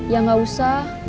ya gak usah